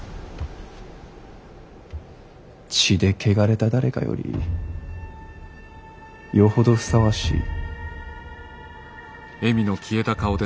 血で汚れた誰かよりよほどふさわしい。